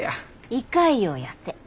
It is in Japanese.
胃潰瘍やて。